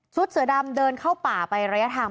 เสือดำเดินเข้าป่าไประยะทาง